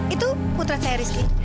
itu putra saya rizky